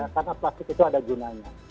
karena plastik itu ada gunanya